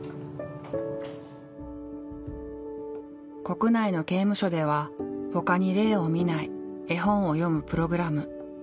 国内の刑務所ではほかに例を見ない絵本を読むプログラム。